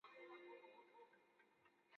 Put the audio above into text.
散馆授仪征县知县。